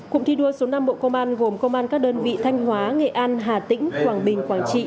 cụm thi đua số năm bộ công an gồm công an các đơn vị thanh hóa nghệ an hà tĩnh quảng bình quảng trị